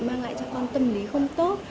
mang lại cho con tâm lý không tốt